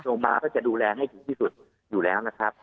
ลงมาก็จะดูแลให้ถึงที่สุดอยู่แล้วนะครับ